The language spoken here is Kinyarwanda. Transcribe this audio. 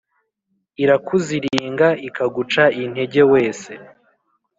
Irakuziringa ikaguca integer wese